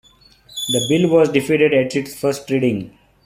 The bill was defeated at its first reading.